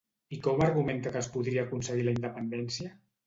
I com argumenta que es podria aconseguir la independència?